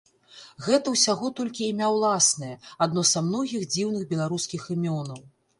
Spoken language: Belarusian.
Гэта ўсяго толькі імя ўласнае, адно са многіх дзіўных беларускіх імёнаў.